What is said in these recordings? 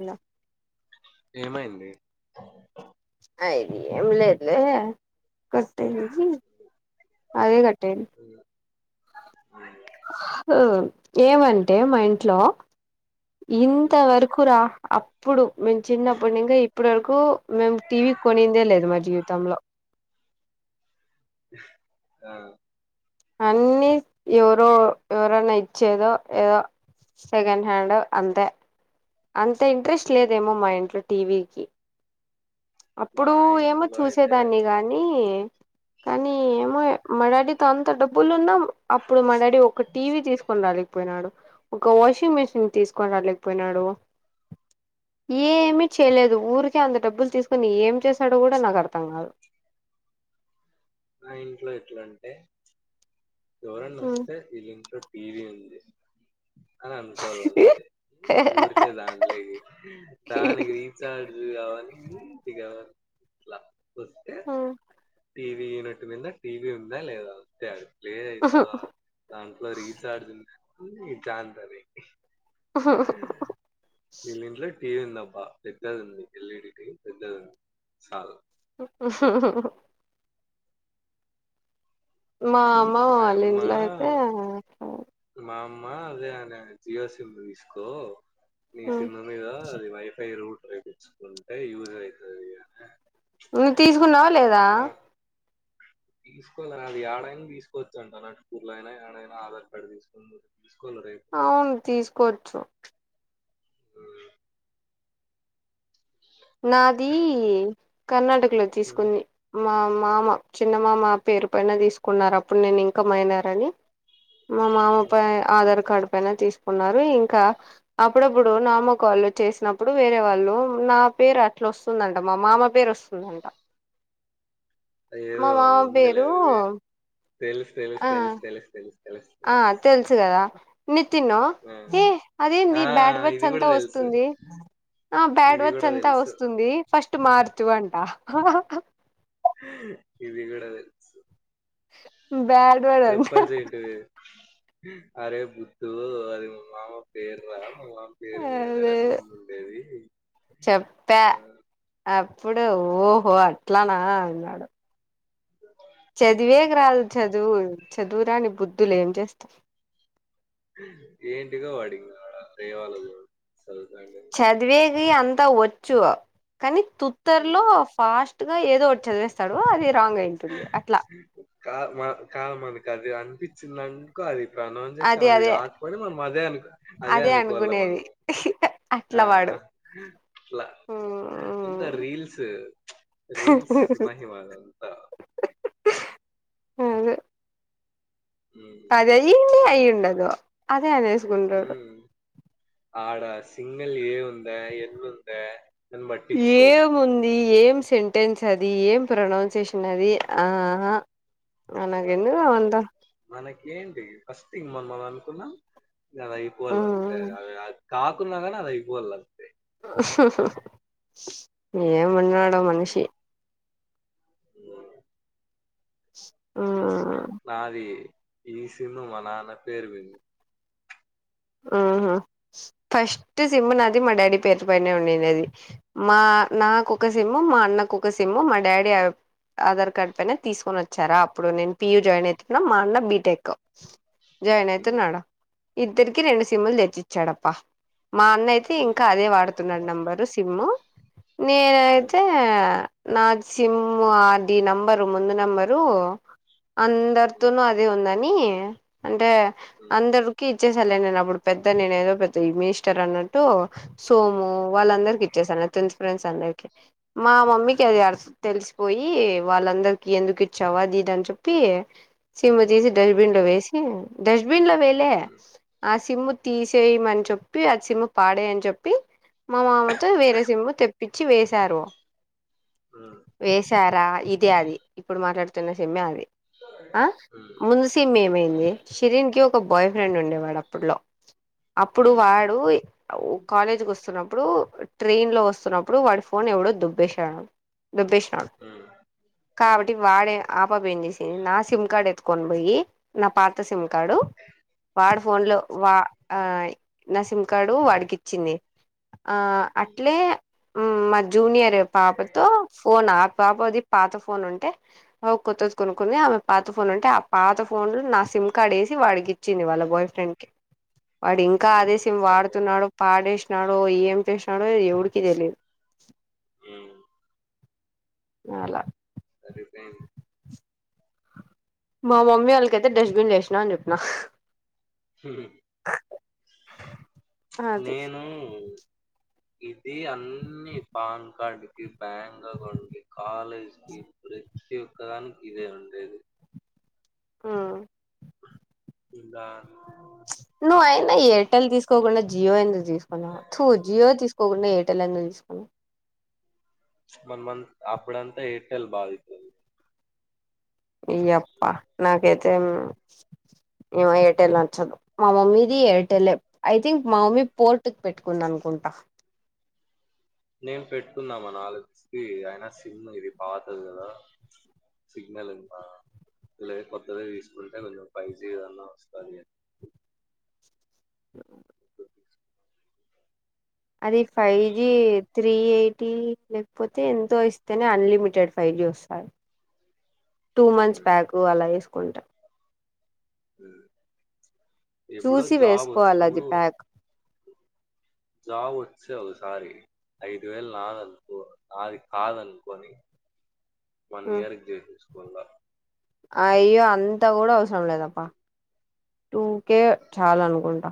Hello ఏమైంది అయిది ఎంలేదులే కొట్టదికి అదే కట్టెను అ ఏమంటే మా ఇంట్లో ఉమ్, ఇంత ఉమ్, వరుకు రా అప్పుడు మేము చిన్నప్పటి ఇంకా ఇప్పడు వరకు మేము టీవీ కొనిందే లేదు మా జీవితంలో ఆ అన్ని ఎవరో ఎవరన్న ఇచ్చేదో ఏదో సెకండ్ హ్యాండో అంతే అంత ఇంట్రెస్ట్ ఉమ్. లేదేమో మా ఇంట్లో టీవీకి మా అప్పుడు ఏమో ఇంట్లో అయితే చూసేదాన్ని గాని కానీ [unintelligible] ఏమో మా డాడీతో అంత డబ్బులు ఉన్నా అప్పుడు మా డాడీ ఒక టీవీ తీసుకొని రాలిపోయినాడు ఒక వాషింగ్ మిషన్ తీసుకొని రాలేకపోయినాడు ఏమి చేయలేదు ఊరికే అంత డబ్బులు తీసుకుొని ఏం చేశాడో కూడా నాకు అర్థం కాదు ఆ ఇంట్లో ఎట్ల అంటే ఎవరనా వస్తే వీళ్ళ ఇంట్లో టీవీ ఉంది అని అనుకోవాల అంతే ఊరికే దాంట్లోకి దానికి రీచ్ార్జ కావని కావ [unintelligible] ఆ టీవీ యనట్ మీద టీవీ ఉందా లేద [unintelligible] [unintelligible] వీళ్ల ఇంట్లో టీవీ ఉందబ్బా పెద్దది ఉంది ఎల్ఈడి టీవీ పెద్దది ఉంది చాలు మా అమ్మ వల్ల మాయమ్మ ఇంట్లో అయితే మా అమ్మ అదే [unintelligible] జియో సిమ్ తీసుకో నీ సిమ్ మీద ఆ వైఫై రూట్ యూజ్ అవుతుంది నువ్వు తీసుకున్నావ లేద తీసుకోవాలని అది ఏడైనా తీసుకోవచ్చ అంట నా టూర్లు అయినా ఏడైనా ఆధార్ కార్డు తీసుకో [unintelligible] అవును తీసుకోచ్చు ఆ నాది కర్ణాటకలో తీసు ఉమ్, ఉమ్. [unintelligible] మా మామ చిన్నమా మా పేరు పైన తీసుకున్నారు అప్పుడు నేను ఇంకా మైనారని మా మామ ప ఆధార్ కార్డు పైన తీసుకున్నారు ఇంక అప్పుడప్పుడు [unintelligible] చేసినప్పుడు వేరే వాళ్ళు నా పేరు అట్ల వస్తుందంట మా మామ పేరు వస్తుందంట మా ఏదో మామ ఉందిలే పేరు అది తెలుసు తెలుసు ఆ తెలుసు తెలుసు తెలుసు తెలుసు ఆ తెలుసు కదా నితిన్నో ఆ ఏ ఆ, అదేంది బ్యాడ్ వర్డ్స్ ఇది కూడా అంతా తెలుసు వస్తుంది ఆ బ్యాడ్ ఇది కూడా వర్డ్స్ అంతా తెలుసు వస్తుంది ఫస్ట్ మార్ అంట [unintelligible] ఇది కూడ తెలుసు బ్యాడ్ వర్డ్ అంట చెప్పల్సింటివి అరే బుద్తు అది మామ పేరు రా మా మామ పేరు మీదనే అదే రా సిమ్ ఉండేది చెప్పా అప్పుడు ఓహో అట్లాన అన్నాడు చదివే రాదు చదువు చదువురాని బుద్ధులు ఏం చేస్త ఏంటిగో వాడింగాడ రేవాలదు సదువుతాండే చదివేది అంతా వొచ్చు కానీ ఉమ్. తుత్తర్లో ఫాష్ ట్టుగా ఏదో ఒట్ చదివేస్తాడు అది రాంగ్ అయింది కా మ కాదు మనకది అనిపిచిందన్ క్ అది అదే ప్రనౌన్సేషన్ అది అదే కాకపోయిన మనం అదే అనుకో అదే అనుకోల్లా మనూ ఆ అట్లా వాడు ల్ల ఉంద రీల్స్ రీల్స్ మహిమదంతా అదె ఉమ్. రీల్స్ పదయ్యింది మహిమ. అయ్యిండదు అదే అనేస్గుంటడు ఆడా సిమ్మెల్ ఏ ఉందా ఎన్నుందా ఏముంది ఏం సెంటెన్స్ అది ఏం ప్రొనౌన్సయేషన్ అది ఆ అ అనగెందు అంత మనకేంటి ఫస్ట్ థింగ్ మొన్న కనుక్కున్న ఇయ్యాల యిపోవాలంతే మ్మ్ అమె గాద్ కాకున్నా కన్ అదయిపోల్ల ఎంవున్నాడో మనిషి ఉ ఆ నాది ఈ సిమ్ మా నాన్న పేరు మీది ఆహ ఫస్ట్ సిమ్ నాది మా డాడీ పేరు పైనే ఉండిందది మా నాకొక సిమ్ము మా అన్నకొక సిమ్ము మా డాడీ అప్ ఆధార్ కార్డ్ పైన తీసుకొనోచ్చారా అప్పుడు నేను పియుూ జాయిన్ అయితున్నా మా అన్న బీటెక్ జాయిన్ హ్మ్ అయితున్నాడా త్తేరికి రెండు సిమ్ముల్ తెచ్చిచ్చాడప్ప మా అన్నయ్ తి హ్మ్ ఇంకా అదే వాడుతున్నాడ్ నెంబరు సిమ్ము హ్మ్ నేనైతే నా సిమ్ అది నెంబరు ముందు నెంబరు హ్మ్ అందరితోనూ అద్ దే ఉందని అంటే హ్మ్ అందరికి ఇచ్చేసలేే నేను అప్పుడు పెద్ద నేను ఏదో పెద్ద ఈ మినిస్టర్ అన్నట్టు సోము హ్మ్ వాళ్ళందరికి ఇచ్చేసాన్ న తెన్త్ ఫ్రెండ్స్ అందరికి మా మమ్మీకి అది అర్స్ తెలిసిపోయి వాళ్ళందరికి ఎందుకు ఇచ్చావ్ అద్ ఇద్ అన్ చెప్పి సిమ్ తీసి డన్ బిన్ హ్మ్ లో వేసి డస్ట్బిన్ లో వేలే హ్మ్ ఆ సిమ్ము తీసేయమన్ చెప్పి ఆ సిమ్ పాడేయ్ అన్ చెప్పి మా మామతో వేరసిమ్ము తెప్పిచి వేశారు హ్మ్ హ్మ్ హ్మ్ వేశారా ఇదే అది ఇప్పుడు మాట్లాడుతున్న సిమ్మే అది ఆ ముందుసీమ్మ్ ఏమైంది శిరీన్ క్యో కొ బాయ్ ఫ్రెండ్ ఉండేవాడప్పట్లో అప్పుడు వాడు ఔ కాలేజ్ కొస్తున్నప్పుడు ట్రైన్ లో ఒస్తున్నప్పుడు వాడి ఫోన్ ఎవడో దొబ్బేశావు దొబ్బేసినాడు హ్మ్ హ్మ్ హ్మ్ కాబట్టి వాడే ఆపాప ఎం చేసి నా సిమ్ కార్డ్ ఎత్తు కొన్ బొయ్యి నా పాత సిమ్ కార్డు వాడు ఫోన్ లో వా ఆ నా సిమ్ కార్డు వాడికిచ్చింది ఆ అట్లే ఉ మ్మా జూనియర్ పాపతో ఫోన్ ఆ పాపది పాత ఫోన్ ఉంటే అవు కొత్తది కొనుక్కుని ఆమె పాత ఫోన్ ఉంటే ఆ పాత ఫోన్లు నా సిమ్ కార్డ్ యేసి వాడికిచ్చి త్తింది వాళ్ళ బాయ్ ఫ్రెండ్ కి వాడ్ ఇంకా హ్మ్ అదే సిమ్ సరిపోయింది వాడుతున్నాడు పాడేష్నాడో ఏం చేశాడో అద్ ఎవుడికి తెలి ఉమ్మ్ అలా సరిపోయింది మా మమ్మీ వాళ్ళకైతే డస్ట్బిన్ లేేసినా అని చెప్పినా అది నేను ఇది అన్ని పాన్ కార్డ్ కి బ్యాంక్ అకౌంట్ కి కాలేజ్ కి ప్రతి [unintelligible] ఇదే ఉండేది ఆ ఇందా నువ్వయినా ఎయిర్టెల్ తీసుకోకుండా జియో ఎందుకు తీసుకున్నా తూ జియో తీసు పోకుండా ఎయిటెల్ అంద తీసుకుొని మన్ మం అప్పుడంత ఎయిర్టెల్ భాగిత్తది అయ్యప్ప నాకైతే ఏమ ఏటలు నచ్చదు మా మమ్మీది ఎయిర్టెలె ఐ థింక్ మా మమ్మీ పోర్ట్ కు పెట్టుకుంది అనుకుంటా నేను పెట్టుకున్నామా ఆలోచించి అయిన సిమ్ ఇది పాతది కదా సిగ్నల్ అంత ఇలా కొత్తది తీసుకుంటే కొంచెం ఫైవ్ జీ ఏదన్నా వస్తది [inaudible] అది ఫైవ్ జి త్రీ ఎయిటీ లేకపోతే ఎంతో ఇస్తేనే అన్లిమిటెడ్ ఫైవ్ జి వస్తది [inaudible] టూ మంత్స్ హ్మ్. ప్యాక్ అలా వేసుకుంటా ఎప్పుడో చూసి జాబ్ వేసుకోవాలి అది వచ్చినప్పుడు ప్యాక్ జాబ్ వచ్చేయాలీ ఈసారి ఐదు వేలు నాదనుకో నాది కాదనుకని వన్ ఇయర్కి [unintelligible] అయ్యో అంతా గూడ అవసరం లేదప్ప టూకే చాలనుకుంటా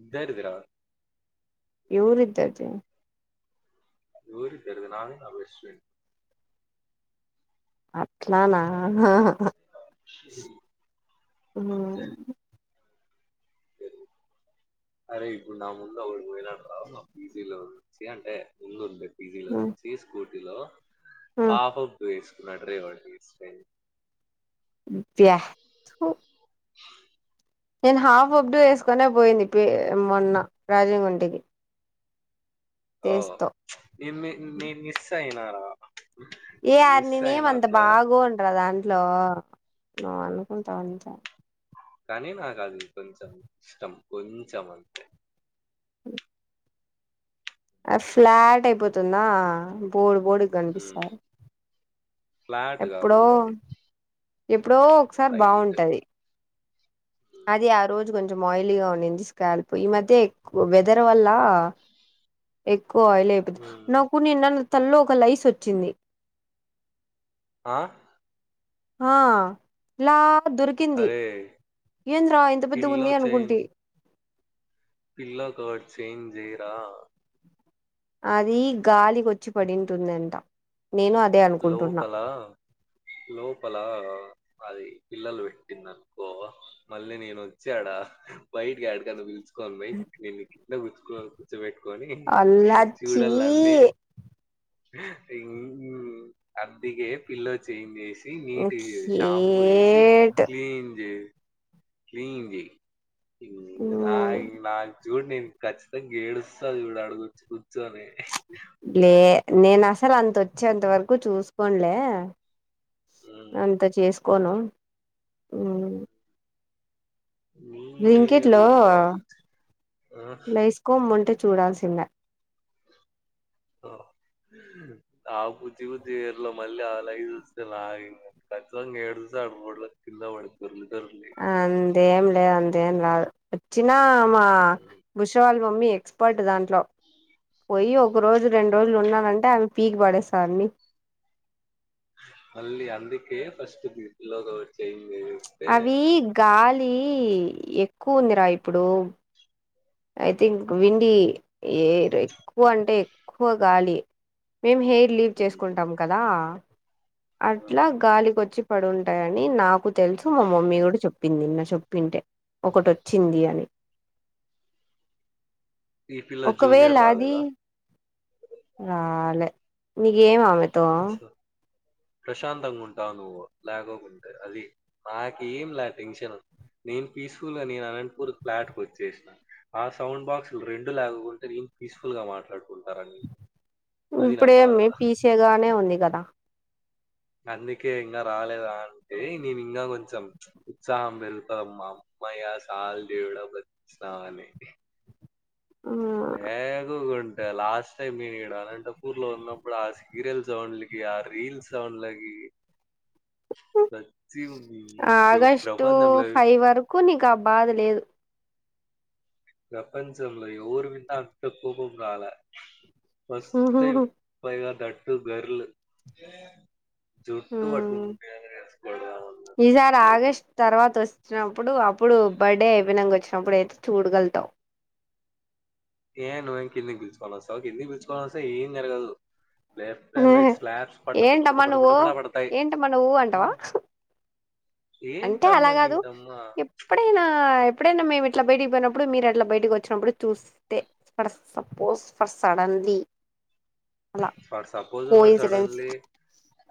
ఇద్దరిదిరా ఎవురిద్దరిది ఇది ఊరి తెరుదు నా నా విశ్వన్ అట్లా నా హా హా స అరే ఇప్పుడు నా ముందు ఒకడు పోయినాడు రా నాకు పిజి లో నుంచి అంటే ముందు ఉండే పీజీలో నుంచి స్కూటీలో హాఫ్ హాఫ్ వేసుకున్న డ్రైవర్స్త [unintelligible] నేను హాఫ్ అప్డు వేసుకునే పోయింది మొన్న రాజ గుంటకి ఓ మీ మీస్స అయినారా ఏ మిస్ ఆర్నినేనేమ అయినా అంత అట్లా బాగోనుర దాంట్లో నువ్వు అనుకుంటావుంట కానీ నాకు అది కొంచెం ఇష్టం కొంచెం అ ఫ్లాట్ అయిపోతుందా బోడి బోడి కనిపిస్తారు ఫ్లాట్ ఎప్పుడో కాకూడదు అది ఎప్పుడో ఒకసారి టైట్ బాగుంటది అది ఆ రోజు కొంచెం ఆయిలీగా ఉండింది స్కాల్పు ఈ మధ్య వెదర్ వల్ల ఎక్కువాయిల్ అయిపోతు నాకు నిన్న న్ తల్లో ఒక లైస్ వచ్చింది ఆా ఆ ఇలా దొరికింది అరే ఏంద్రా ఇంత పెద్ద పిల్లో ఉంది చేంజ్ అనుకుంటి పిల్లో కోడ్ చేంజ్ చేయరా అది గాలికొచ్చి పడింటుందంట నేను అదే అనుకుంటున్నా లోపలా లోపల అది పిల్లలు పెట్టిందనుకో మళ్ళీ నేను వచ్చి అడా బయటికి ఎడికన్నా పిలుచుకోను పోయి నేను ఇట్లా ఉతుక్కొని ఖర్చు పెట్టుకొని అల్లాచ్చీ చూడల్లా అన్నీ ఇంగూ అందుకే పిల్లో చేంజ్ చేసి నీట్ గా షాంపూ ఏసి కేట్ క్లీన్ చే [unintelligible] చూడు నేను ఖచ్చితంగా ఏడుస్తా చూడు అడుగచ్చి కూర్చోని లే నేను అసలు అంత అచ్చేంత వరకు చూసుకోను లే అంత చేసుకోను హు నీ బ్లింక్ ఇట్ లో ఏర్లో ఆ బుజ్జి ఆ లైస్కోమ్ ఉంటే చూడాల్సిందే అ ఆ బుజ్జి గూడా తిర్ల మళ్ళీ అలాగే చూస్తే రా ఇంగ ఖచ్చితంగా ఏడుస్తాది రోడ్లో కింద పడి ఉంటనండి అదేం లే అంతేమీ రాదు అచ్చినా మా ఉమ్. ఉష వాళ్ళ మమ్మీ ఎ ఎక్స్పర్ట్ దాంట్లో పోయి ఒక రోజు రెండు రోజులు ఉన్నానంటే అవి పీకి పడేస్త అన్ని మళ్ళీ అందుకే ఫస్ట్ పిల్లోగా చేంజ్ చేసి అవి గాలి ఎక్కువ ఉందిరా ఇప్పుడు ఐథింక్ వింది ఏ ఏ ఎక్కువ అంటే ఎక్కువ గాలి మేము హెయిర్ లీవ్ ఉమ్, చేసుకుంటాం కదా అట్లా గాలికి వచ్చి పడు ఉంటాయని నాకు తెలుసు మా మమ్మీ కూడా చెప్పింది నిన్న చెప్పింటే ఒకటి ఒచ్చింది అని ఈ పిల్ల ఒకవేళ జూనియర్ అది రాలేదా రాలే నీకేం అమెతో సో ప్రశాంతంగా ఉంటావు నువ్వు లేకోకుంటే అది నాకు ఏం లే టెన్షన్ నేను పీస్ఫుల్ గా నేను అనంతపూర్ ఫ్లాట్ కు వచ్చేసిన ఆ సౌండ్ బాక్స్లు రెండు లేగాకుంటే ఏం పీస్ఫుల్ గా మాట్లాడుకుంటారు అండి ఇప్పుడేమి పీసేగానే ఉంది కదా అందుకే ఇంగ రాలేదా అంటే నేను ఇంగ కొంచెం ఉత్సాహం పెరుగుతా మామ్ మామయ్య సాలు దేవుడా బతికిస్తావని బేగగు లాస్ట్ టైమ్ నేను ఇడ అనంతపూర్ లో ఉన్నప్పుడు ఆ సీరియల్ సౌండ్లకి ఆ రీల్స్ సౌండ్లకి సచ్చీ పో మాకు సంబంధం లేదు కొ నీకు ఆ బాధ లేదు ప్రపంచంంలో ఎవర్ విన్న అంత కోపం రాలే ఫస్ట్ టైమ్ పైగా దట్టు గర్ల్ జుట్టు పట్టు ఈసారి ఆగస్ట్ [inaudible] తర్వాత వచ్చినప్పుడు అప్పుడు బర్త్డే అయ్యిపోయినాక వచ్చినప్పుడు అయితే చూడుగలుతాము ఏ నువ్వేం కిందికి పిలుచుకోని వస్తావ కిందికి పిలుచుకోనీ వస్తె ఏం జరగదు లెఫ్ట్ అండ్ రైట్ స్లాబ్స్ పట్ట పట్ట పట్ట ఏంటమ్మా పట్ట పట్ట నువ్వు పట్ట పడతాయి ఏంటమ్మా నువ్వు అంటావా అంటే అలా ఏంటమ్మ కాదు గింటమ్మ ఎప్పుడైనా ఎప్పుడైనా మేము ఇట్లా బయటికి పోయినప్పుడు మీరు అట్లా బయటకి వచ్చినప్పుడు చూస్తే ఫర్ సపోజ్ ఫర్ సడన్లీ అలా for suppose for coincidence suddenly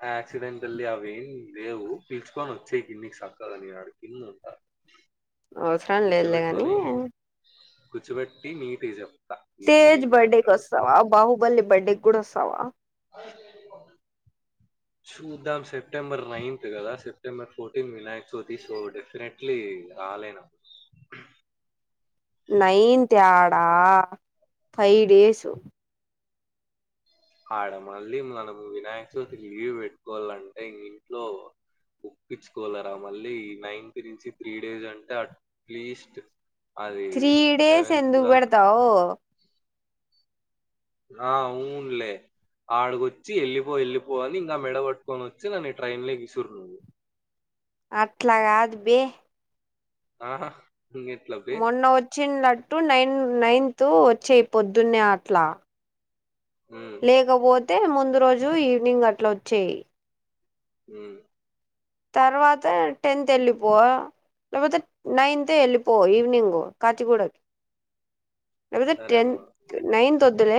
accidentally అవి ఏం లేవు పిల్చుకొని వచ్చేయి కిన్నికి సక్కదుని వాడు కిన్ని ఉంటారు. అ అవసరలు లేదులే గాని కూచుపెట్టి నీట్జం తేజ్ బర్డేకి వస్తావ, బాహుబలి బర్డే కూడా వస్తావ? అది చూద్దాం సెప్టెంబర్ నైన్త్ కదా September fourteenth Vinayaka Chavithi so definitely రాలేనా నైన్త్ ఏడా ఫైవ్ డేసు ఆడ మళ్ళీ మనం వినాయక చవితికి లీవ్ పెట్టుకోవాలంటే ఇంట్లో ఒప్పించుకోలరా మళ్ళీ నైన్త్ నుంచి త్రీ డేస్ అంటే అట్లీస్ట్ అది లెవెన్త్ దా అవ్ ఆ ఊనులే ఆడుగొచ్చి వెళ్లిపో వెళ్ళిపోవాలని ఇంకా మెడ పట్టుకొని వచ్చి నన్న ఈ ట్రైన్ లో విసురునవు అట్లగాదు బే ఆహా ఇంగే మొన్న వచ్చినట్టు నైన్ నైన్త్ వచ్చేయి పొద్దున్నే అట్లా ఉమ్ లేకపోతే ముందు రోజు ఈవినింగ్ అట్లా వచ్చేయి హ తర్వాత టెన్త్ వెళ్ళిపో లేపోతే నైన్త్ వెళ్ళిపో ఈవనింగ్ కాచిగూడకి లేపోతే సరే టెన్ అమ్మా నైన్త్ వద్దులే